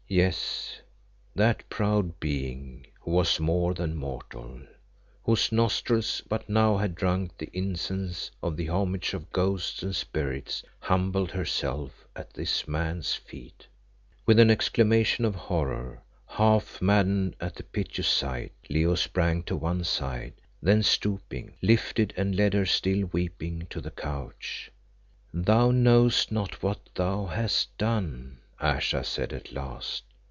Yes, that proud being, who was more than mortal, whose nostrils but now had drunk the incense of the homage of ghosts or spirits, humbled herself at this man's feet. With an exclamation of horror, half maddened at the piteous sight, Leo sprang to one side, then stooping, lifted and led her still weeping to the couch. "Thou knowest not what thou hast done," Ayesha said at last.